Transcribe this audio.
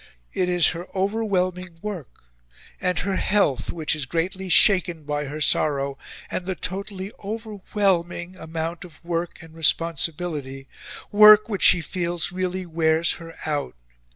It is her OVERWHELMING WORK and her health, which is greatly shaken by her sorrow, and the totally overwhelming amount of work and responsibility work which she feels really wears her out.